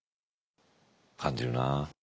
感じるな。